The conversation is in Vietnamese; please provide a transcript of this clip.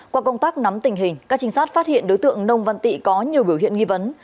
qua công tác nắm tình hình các trinh sát phát hiện đối tượng nông văn tị có nhiều biểu hiện nghi vấn